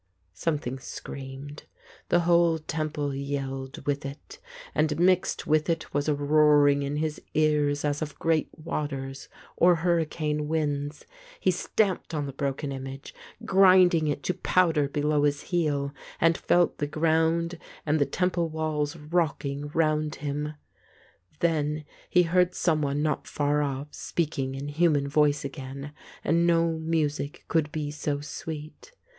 Something screamed; the whole temple yelled 208 The Ape with it, and mixed with it was a roaring in his ears as of great waters or hurricane winds. He stamped on the broken image, grinding it to powder below his heel, and felt the ground and the temple walls rock ing round him. Then he heard someone not far off speaking in human voice again, and no music could be so sweet.